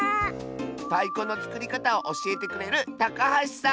たいこのつくりかたをおしえてくれるたかはしさん！